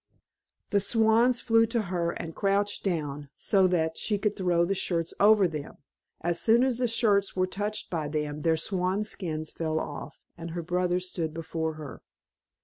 The swans flew to her, and crouched down, so that she could throw the shirts over them; as soon as the shirts were touched by them, their swan's skins fell off, and her brothers stood before her.